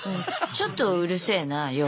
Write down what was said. ちょっとうるせえな夜。